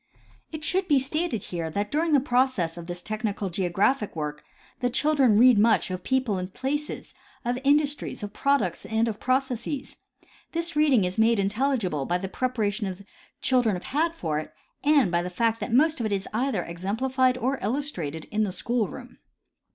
It should be stated here that during the progress of this tech nical geographic work the children read much of people and of places, of industries, of products and of processes. This reading is made intelligible by the preparation the children have had for it and by the fact that most of it is either exemplified or illustrated in the school room.